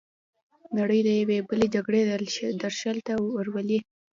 نړۍ د یوې بلې جګړې درشل ته ورولي.